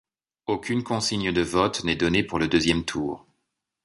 Aucune consigne de vote n'est donnée pour le deuxième tour.